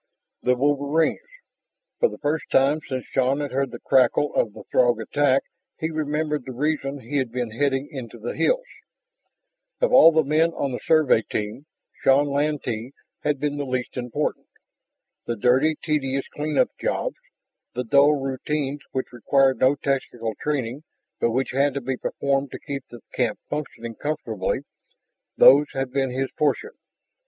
The wolverines! For the first time since Shann had heard the crackle of the Throg attack he remembered the reason he had been heading into the hills. Of all the men on the Survey team, Shann Lantee had been the least important. The dirty, tedious clean up jobs, the dull routines which required no technical training but which had to be performed to keep the camp functioning comfortably, those had been his portion.